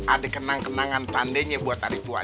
ada kenang kenangan tandainya buat hari tua